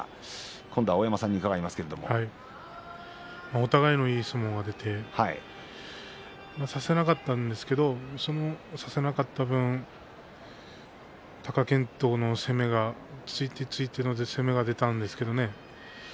お互いのいい相撲が出て差せなかったんですけども差せなかった分、貴健斗の攻めが突いて突いての攻めが出たんですけれどもね。